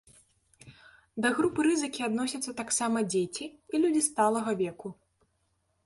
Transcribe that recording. Да групы рызыкі адносяцца таксама дзеці і людзі сталага веку.